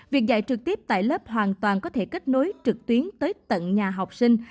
việc dạy trực tiếp tại lớp hoàn toàn có thể kết nối trực tuyến tới tận nhà học sinh